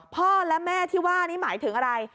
พ่อและแม่ที่ว่านี้หมายถึงอะไร